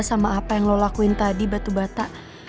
sama apa yang lo lakuin tadi batu bata